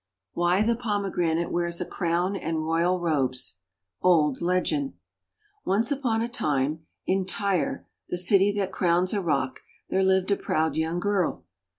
WHY THE POMEGRANATE WEARS A CROWN AND ROYAL ROBES Old Legend ONCE upon a time, in Tyre the City that Crowns a Rock, there lived a proud young girl.